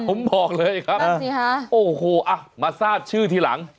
ผมบอกเลยครับนั่นสิฮะโอ้โหอ่ะมาทราบชื่อทีหลัง